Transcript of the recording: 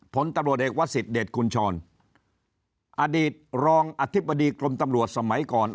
ผลตำรวจเอกวสิทธเดชคุณชรอดีตรองอธิบดีกรมตำรวจสมัยก่อน